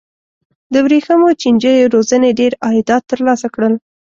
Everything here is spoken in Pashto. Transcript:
د ورېښمو چینجیو روزنې ډېر عایدات ترلاسه کړل.